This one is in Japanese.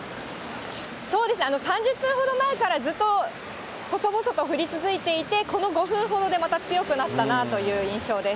そうですね、３０分ほど前から、ずっと細々と降り続いていて、この５分ほどでまた強くなったなという印象です。